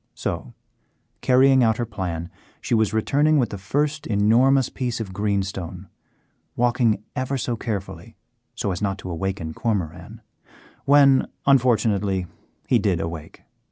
So, carrying out her plan, she was returning with the first enormous piece of greenstone, walking ever so carefully so as not to awaken Cormoran, when, unfortunately, he did awake.